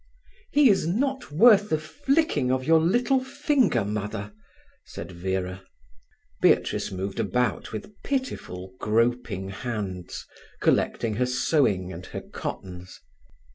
"He is not worth the flicking of your little finger, Mother," said Vera. Beatrice moved about with pitiful, groping hands, collecting her sewing and her cottons.